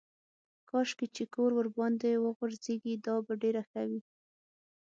کاشکې چې کور ورباندې وغورځېږي دا به ډېره ښه وي.